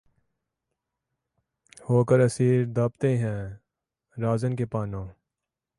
ہو کر اسیر‘ دابتے ہیں‘ راہزن کے پانو